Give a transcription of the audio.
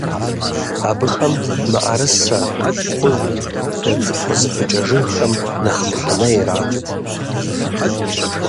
Абыхэм мыӀэрысэ, кхъужь, дэ цӀыкӀу къызыпыкӀэ жыгхэм нэхъ мыхьэнэ ират.